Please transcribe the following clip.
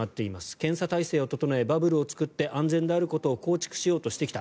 検査体制を整え、バブルを作って安全であることを構築しようとしてきた。